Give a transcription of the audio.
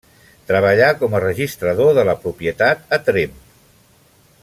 Treballà com a registrador de la propietat a Tremp.